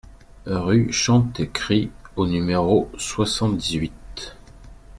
Rue Chantecrit au numéro soixante-dix-huit